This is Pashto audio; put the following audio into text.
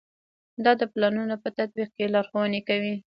دا د پلانونو په تطبیق کې لارښوونې کوي.